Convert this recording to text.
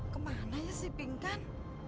kemana ya si pinkan